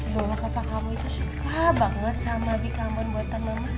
dula papa kamu itu suka banget sama bika ambon buatan mama